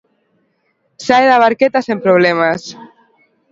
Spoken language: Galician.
Sae da barqueta sen problemas.